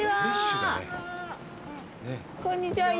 こんにちは。